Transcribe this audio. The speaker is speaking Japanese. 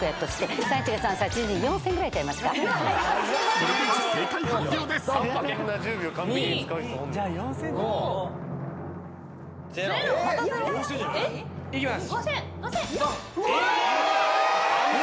［それでは正解発表です］いきます。